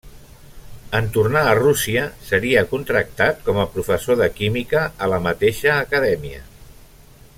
En tornar a Rússia seria contractat com a professor de química a la mateixa Acadèmia.